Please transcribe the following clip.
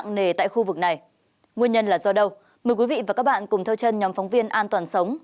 nguyên nhân là do đâu mời quý vị và các bạn cùng theo chân nhóm phóng viên an toàn sống